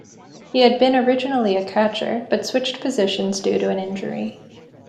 He had been originally a catcher but switched positions due to an injury.